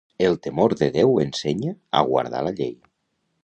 El temor de Déu ensenya a guardar la llei.